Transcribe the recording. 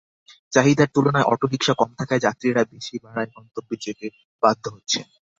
চাহিদার তুলনায় অটোরিকশা কম থাকায় যাত্রীরা বেশি ভাড়ায় গন্তব্যে যেতে বাধ্য হচ্ছেন।